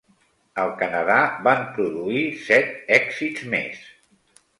Al Canadà van produir set èxits més.